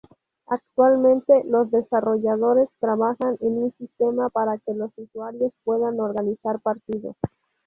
Actualmente los desarrolladores trabajan en un sistema para que los usuarios puedan organizar partidos.